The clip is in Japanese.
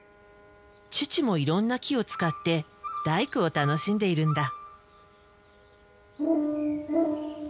父もいろんな木を使って大工を楽しんでいるんだ。